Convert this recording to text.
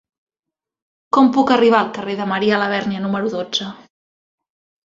Com puc arribar al carrer de Marià Labèrnia número dotze?